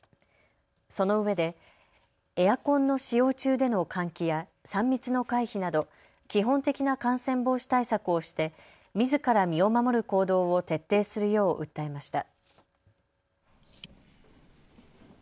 そのうえでエアコンの使用中での換気や３密の回避など基本的な感染防止対策をしてみずから身を守る行動を徹底するよう訴えました。